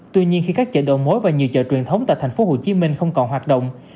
tuy nhiên khi các chợ đầu mối và nhiều chợ truyền thống tại tp hcm không còn hoạt động